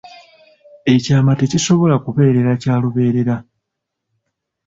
Ekyama tekisobola kubeera kya lubeerera.